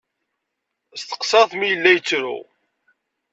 Steqsaɣ-t mi yella yettru.